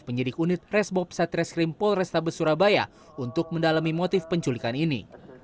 penyidik unit resbob satres krimpol restabes surabaya untuk mendalami motif penculikan ini